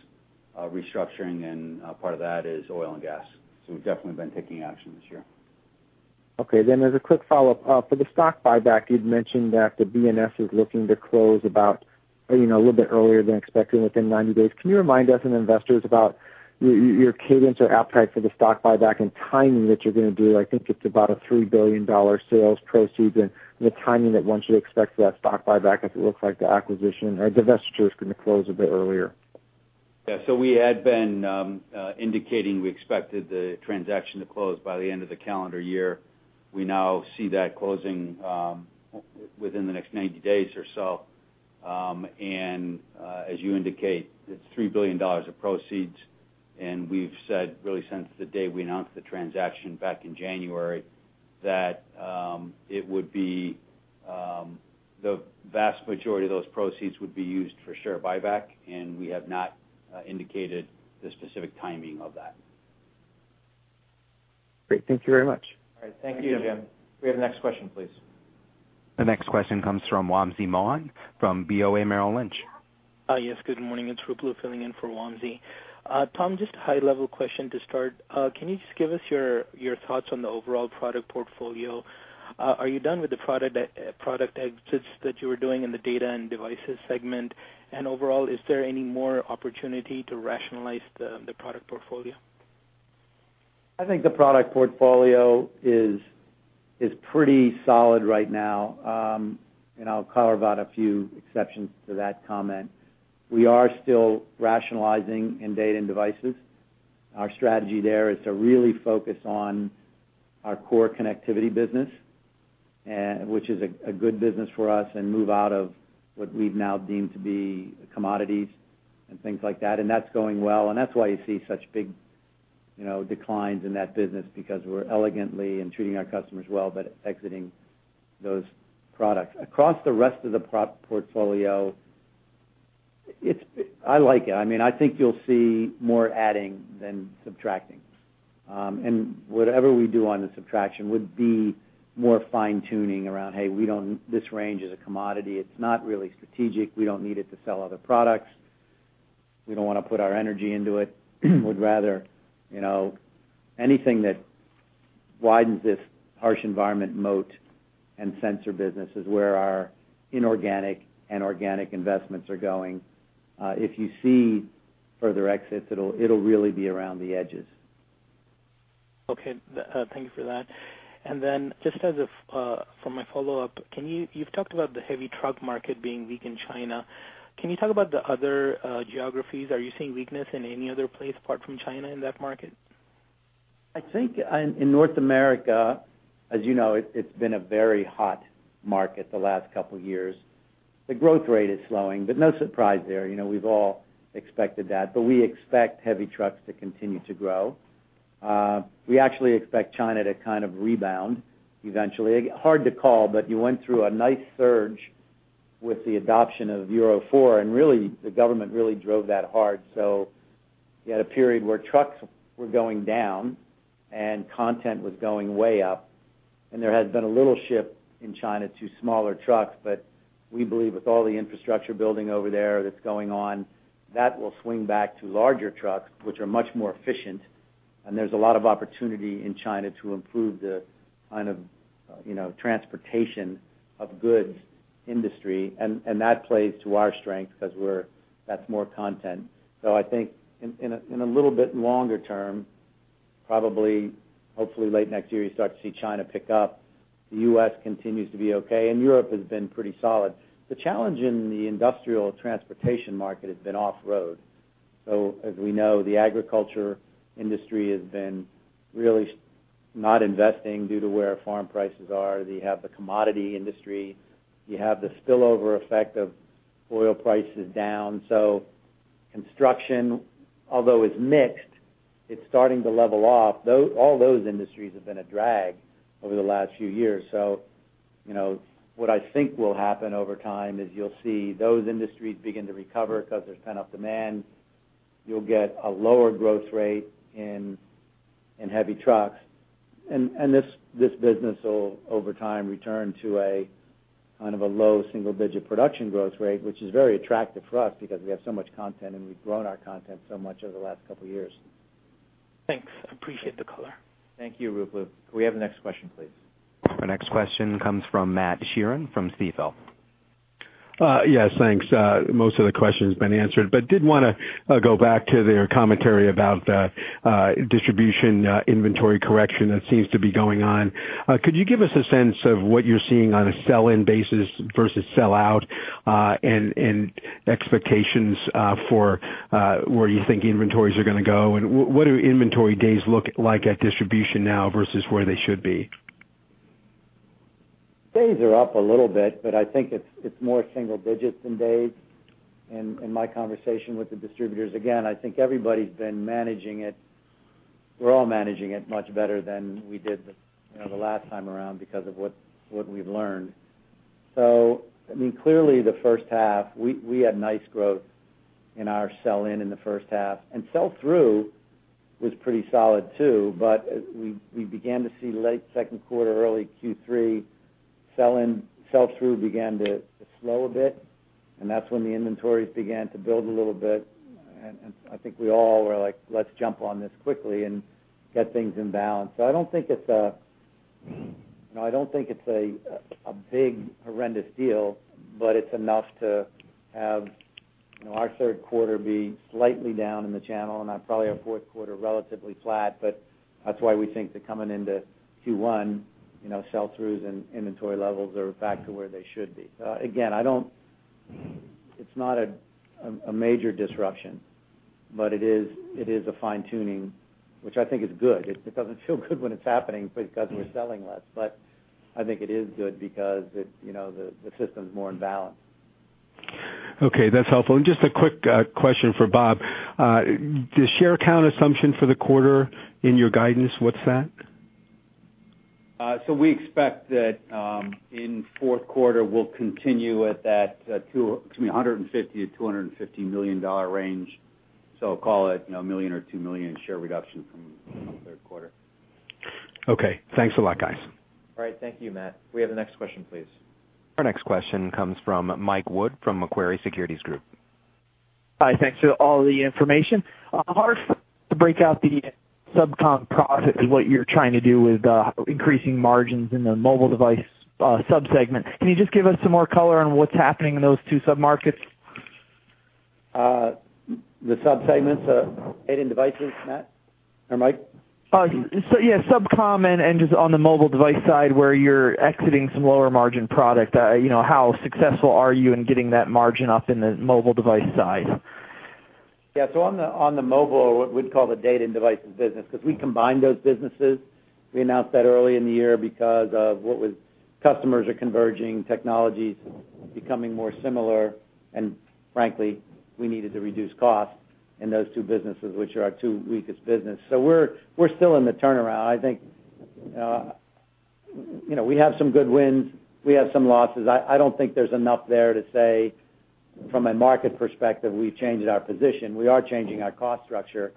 restructuring, and part of that is oil and gas. So we've definitely been taking action this year. Okay. Then, as a quick follow-up, for the stock buyback, you'd mentioned that the BNS is looking to close about a little bit earlier than expected within 90 days. Can you remind us, as investors, about your cadence or appetite for the stock buyback and timing that you're going to do? I think it's about a $3 billion sales proceeds. And the timing that one should expect for that stock buyback, as it looks like the acquisition or divestitures are going to close a bit earlier. Yeah. So we had been indicating we expected the transaction to close by the end of the calendar year. We now see that closing within the next 90 days or so. And as you indicate, it's $3 billion of proceeds. And we've said really since the day we announced the transaction back in January that it would be the vast majority of those proceeds would be used for share buyback, and we have not indicated the specific timing of that. Great. Thank you very much. All right. Thank you, Jim. We have the next question, please. The next question comes from Wamsi Mohan from BofA Merrill Lynch. Yes. Good morning. It's Ruplu filling in for Wamsi. Tom, just a high-level question to start. Can you just give us your thoughts on the overall product portfolio? Are you done with the product exits that you were doing in the data and devices segment? And overall, is there any more opportunity to rationalize the product portfolio? I think the product portfolio is pretty solid right now. I'll carve out a few exceptions to that comment. We are still rationalizing in data and devices. Our strategy there is to really focus on our core connectivity business, which is a good business for us, and move out of what we've now deemed to be commodities and things like that. That's going well. That's why you see such big declines in that business, because we're elegantly and treating our customers well by exiting those products. Across the rest of the portfolio, I like it. I mean, I think you'll see more adding than subtracting. Whatever we do on the subtraction would be more fine-tuning around, "Hey, this range is a commodity. It's not really strategic. We don't need it to sell other products. We don't want to put our energy into it. We'd rather anything that widens this harsh environment moat, and sensor business is where our inorganic and organic investments are going. If you see further exits, it'll really be around the edges. Okay. Thank you for that. Then just as a follow-up, you've talked about the heavy truck market being weak in China. Can you talk about the other geographies? Are you seeing weakness in any other place apart from China in that market? I think in North America, as you know, it's been a very hot market the last couple of years. The growth rate is slowing, but no surprise there. We've all expected that. But we expect heavy trucks to continue to grow. We actually expect China to kind of rebound eventually. Hard to call, but you went through a nice surge with the adoption of Euro 4, and really the government really drove that hard. So you had a period where trucks were going down and content was going way up. And there has been a little shift in China to smaller trucks, but we believe with all the infrastructure building over there that's going on, that will swing back to larger trucks, which are much more efficient. And there's a lot of opportunity in China to improve the kind of transportation of goods industry. That plays to our strength because that's more content. I think in a little bit longer term, probably, hopefully late next year, you start to see China pick up. The U.S. continues to be okay, and Europe has been pretty solid. The challenge in the industrial transportation market has been off-road. As we know, the agriculture industry has been really not investing due to where farm prices are. You have the commodity industry. You have the spillover effect of oil prices down. Construction, although it's mixed, it's starting to level off. All those industries have been a drag over the last few years. What I think will happen over time is you'll see those industries begin to recover because there's been enough demand. You'll get a lower growth rate in heavy trucks. This business will, over time, return to a kind of a low single-digit production growth rate, which is very attractive for us because we have so much content, and we've grown our content so much over the last couple of years. Thanks. Appreciate the color. Thank you, Ruplu. Could we have the next question, please? Our next question comes from Matt Sheerin from Stifel. Yes. Thanks. Most of the questions have been answered, but did want to go back to their commentary about the distribution inventory correction that seems to be going on. Could you give us a sense of what you're seeing on a sell-in basis versus sell-out and expectations for where you think inventories are going to go? And what do inventory days look like at distribution now versus where they should be? Days are up a little bit, but I think it's more single digits than days. In my conversation with the distributors, again, I think everybody's been managing it. We're all managing it much better than we did the last time around because of what we've learned. So I mean, clearly, the first half, we had nice growth in our sell-in in the first half. And sell-through was pretty solid too, but we began to see late second quarter, early Q3, sell-through began to slow a bit. And that's when the inventories began to build a little bit. And I think we all were like, "Let's jump on this quickly and get things in balance." So I don't think it's a—I don't think it's a big horrendous deal, but it's enough to have our third quarter be slightly down in the channel and probably our fourth quarter relatively flat. But that's why we think that coming into Q1, sell-throughs and inventory levels are back to where they should be. Again, it's not a major disruption, but it is a fine-tuning, which I think is good. It doesn't feel good when it's happening because we're selling less, but I think it is good because the system's more in balance. Okay. That's helpful. Just a quick question for Bob. The share count assumption for the quarter in your guidance, what's that? So we expect that in fourth quarter, we'll continue at that, excuse me, $150 million-$250 million range. So call it a $1 million or $2 million share reduction from third quarter. Okay. Thanks a lot, guys. All right. Thank you, Matt. We have the next question, please. Our next question comes from Mike Wood from Macquarie Securities Group. Hi. Thanks for all the information. Hard to break out the SubCom profit is what you're trying to do with increasing margins in the mobile device subsegment. Can you just give us some more color on what's happening in those two submarkets? The subsegments? Head in devices, Matt or Mike? Yeah. SubCom and just on the mobile device side where you're exiting some lower margin product. How successful are you in getting that margin up in the mobile device side? Yeah. So on the mobile, we'd call the Data and Devices business because we combined those businesses. We announced that early in the year because of what was, customers are converging, technologies becoming more similar, and frankly, we needed to reduce costs in those two businesses, which are our two weakest businesses. So we're still in the turnaround. I think we have some good wins. We have some losses. I don't think there's enough there to say, from a market perspective, we've changed our position. We are changing our cost structure,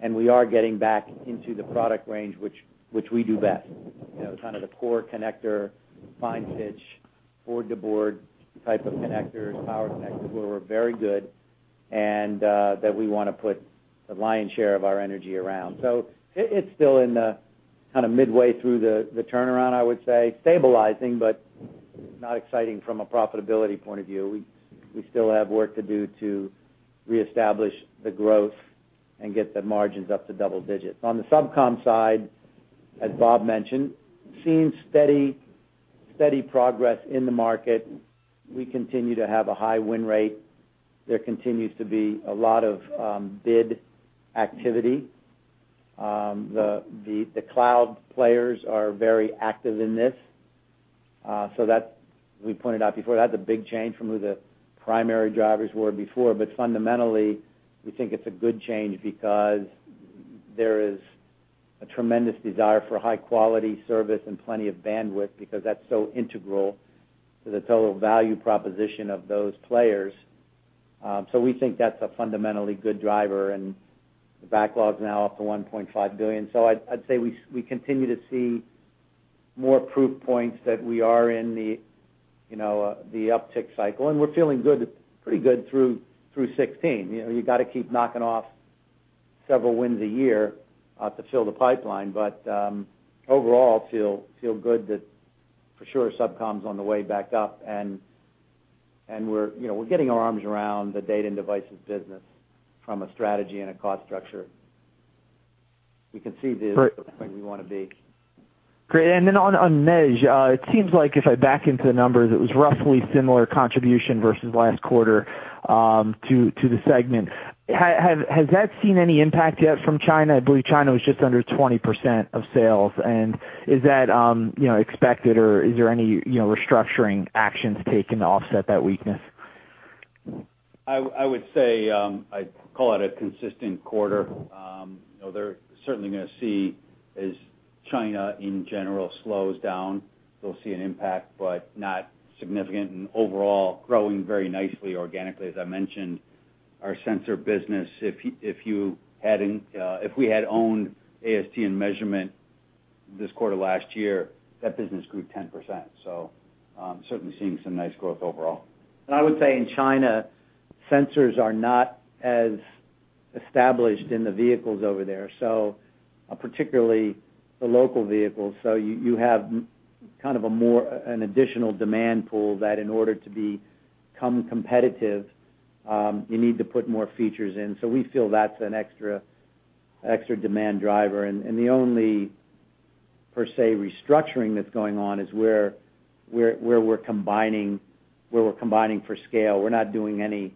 and we are getting back into the product range, which we do best. Kind of the core connector, fine-pitch, board-to-board type of connectors, power connectors where we're very good and that we want to put the lion's share of our energy around. So it's still in the kind of midway through the turnaround, I would say. Stabilizing, but not exciting from a profitability point of view. We still have work to do to reestablish the growth and get the margins up to double digits. On the SubCom side, as Bob mentioned, seeing steady progress in the market. We continue to have a high win rate. There continues to be a lot of bid activity. The cloud players are very active in this. So we pointed out before, that's a big change from who the primary drivers were before. But fundamentally, we think it's a good change because there is a tremendous desire for high-quality service and plenty of bandwidth because that's so integral to the total value proposition of those players. So we think that's a fundamentally good driver. And the backlog's now up to $1.5 billion. So I'd say we continue to see more proof points that we are in the uptick cycle. We're feeling good, pretty good through 2016. You got to keep knocking off several wins a year to fill the pipeline. Overall, feel good that, for sure, SubCom's on the way back up. We're getting our arms around the data and devices business from a strategy and a cost structure. We can see the point we want to be. Great. And then on MEAS, it seems like if I back into the numbers, it was roughly similar contribution versus last quarter to the segment. Has that seen any impact yet from China? I believe China was just under 20% of sales. And is that expected, or is there any restructuring actions taken to offset that weakness? I would say I'd call it a consistent quarter. They're certainly going to see, as China in general slows down, they'll see an impact, but not significant. And overall, growing very nicely organically, as I mentioned, our sensor business, if we had owned AST and measurement this quarter last year, that business grew 10%. So certainly seeing some nice growth overall. And I would say in China, sensors are not as established in the vehicles over there, particularly the local vehicles. So you have kind of an additional demand pool that in order to become competitive, you need to put more features in. So we feel that's an extra demand driver. And the only per se restructuring that's going on is where we're combining for scale. We're not doing any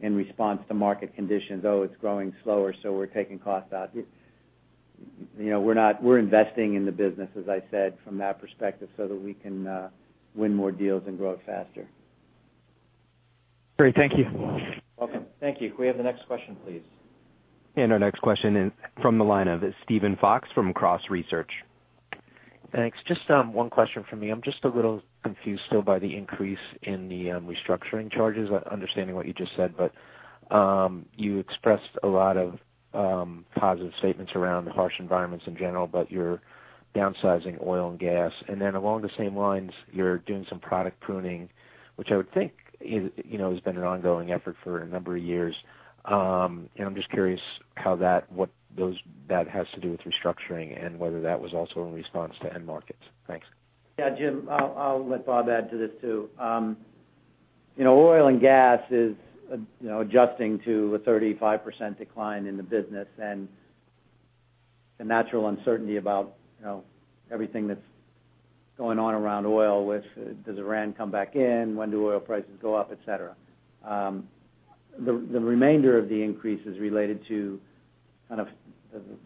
in response to market conditions. Oh, it's growing slower, so we're taking cost out. We're investing in the business, as I said, from that perspective so that we can win more deals and grow it faster. Great. Thank you. Welcome. Thank you. Could we have the next question, please? Our next question is from the line of Steven Fox from Cross Research. Thanks. Just one question from me. I'm just a little confused still by the increase in the restructuring charges, understanding what you just said. But you expressed a lot of positive statements around harsh environments in general, but you're downsizing oil and gas. And then along the same lines, you're doing some product pruning, which I would think has been an ongoing effort for a number of years. And I'm just curious what that has to do with restructuring and whether that was also in response to end markets. Thanks. Yeah, Jim. I'll let Bob add to this too. Oil and gas is adjusting to a 35% decline in the business and the natural uncertainty about everything that's going on around oil with, does Iran come back in, when do oil prices go up, etc. The remainder of the increase is related to kind of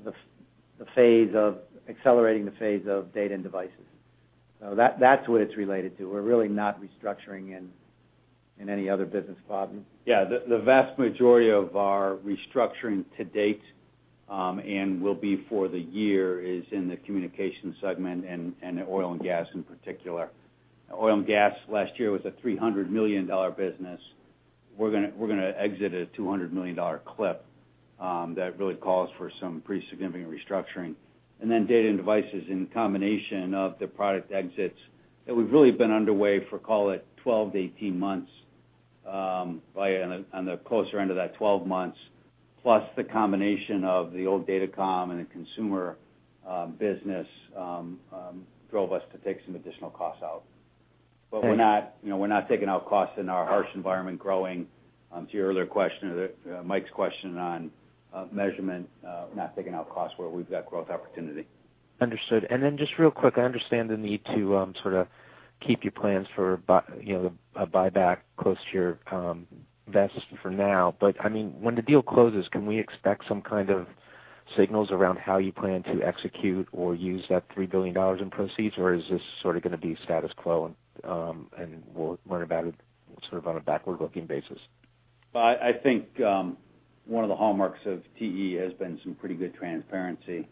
the phase of accelerating the phase of data and devices. So that's what it's related to. We're really not restructuring in any other business, Bob. Yeah. The vast majority of our restructuring to date and will be for the year is in the communication segment and oil and gas in particular. Oil and gas last year was a $300 million business. We're going to exit a $200 million clip that really calls for some pretty significant restructuring. Then data and devices in combination of the product exits that we've really been underway for, call it 12-18 months, we're on the closer end of that, 12 months, plus the combination of the old Datacom and the consumer business drove us to take some additional costs out. But we're not taking out costs in our harsh environment growth. To your earlier question, Mike's question on measurement, we're not taking out costs where we've got growth opportunity. Understood. Just real quick, I understand the need to sort of keep your plans for a buyback close to your vest for now. I mean, when the deal closes, can we expect some kind of signals around how you plan to execute or use that $3 billion in proceeds, or is this sort of going to be status quo and we'll learn about it sort of on a backward-looking basis? Well, I think one of the hallmarks of TE has been some pretty good transparency.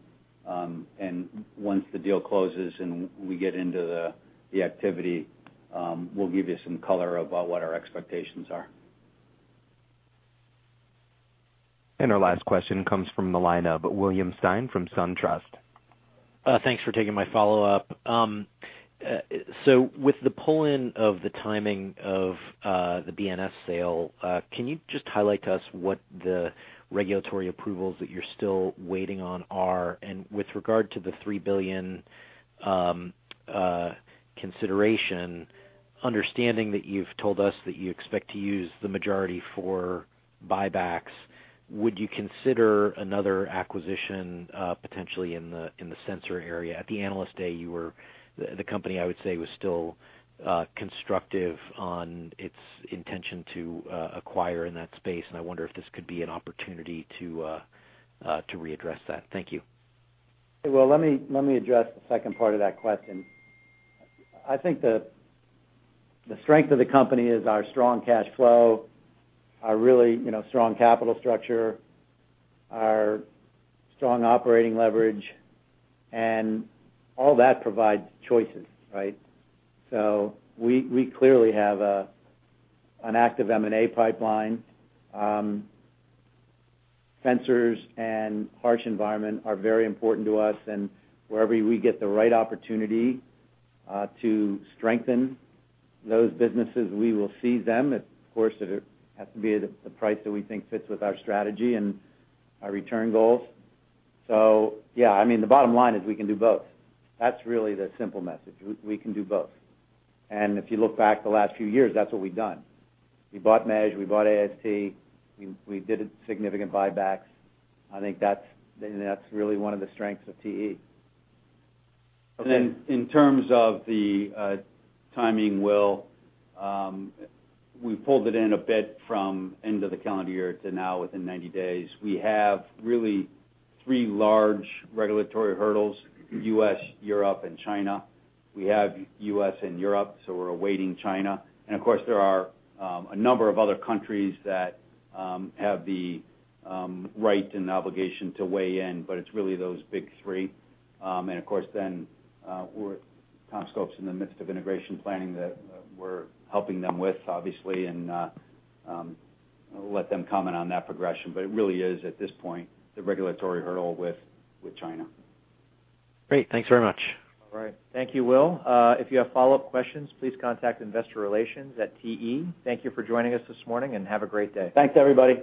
Once the deal closes and we get into the activity, we'll give you some color about what our expectations are. Our last question comes from the line of William Stein from SunTrust. Thanks for taking my follow-up. So with the pull-in of the timing of the BNS sale, can you just highlight to us what the regulatory approvals that you're still waiting on are? And with regard to the $3 billion consideration, understanding that you've told us that you expect to use the majority for buybacks, would you consider another acquisition potentially in the sensor area? At the Analyst Day, the company, I would say, was still constructive on its intention to acquire in that space. And I wonder if this could be an opportunity to readdress that. Thank you. Well, let me address the second part of that question. I think the strength of the company is our strong cash flow, our really strong capital structure, our strong operating leverage, and all that provides choices, right? So we clearly have an active M&A pipeline. Sensors and harsh environment are very important to us. And wherever we get the right opportunity to strengthen those businesses, we will seize them. Of course, it has to be at the price that we think fits with our strategy and our return goals. So yeah, I mean, the bottom line is we can do both. That's really the simple message. We can do both. And if you look back the last few years, that's what we've done. We bought MEAS. We bought AST. We did significant buybacks. I think that's really one of the strengths of TE. And then in terms of the timing, well, we've pulled it in a bit from end of the calendar year to now within 90 days. We have really three large regulatory hurdles: U.S., Europe, and China. We have U.S. and Europe, so we're awaiting China. And of course, there are a number of other countries that have the right and obligation to weigh in, but it's really those big three. And of course, then CommScope's in the midst of integration planning that we're helping them with, obviously, and let them comment on that progression. But it really is at this point the regulatory hurdle with China. Great. Thanks very much. All right. Thank you, Will. If you have follow-up questions, please contact Investor Relations at TE. Thank you for joining us this morning, and have a great day. Thanks, everybody.